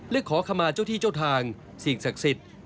และขอขมาเจ้าที่เจ้าทางสิ่งศักดิ์สิทธิ์